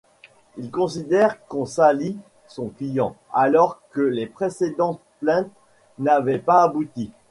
Il considère qu’on salit son client alors que les précédentes plaintes n’avaient pas abouti.